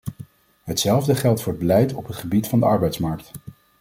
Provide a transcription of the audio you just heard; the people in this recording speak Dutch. Hetzelfde geldt voor het beleid op het gebied van de arbeidsmarkt.